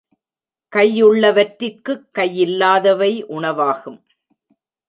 கையுள்ளவற்றிற்குக் கையில்லாதவை உணவாகும்.